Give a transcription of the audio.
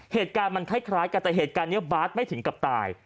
เหตุการณ์มันคล้ายกันแต่เหตุการณ์นี้บาร์ดไม่ถึงกับตาย